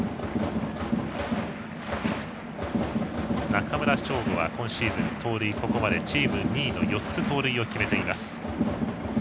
中村奨吾は、今シーズン盗塁ここまでチーム２位の４つ盗塁を決めています。